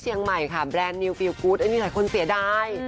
คุยงานถึง๔๕ทุ่มอย่างนี้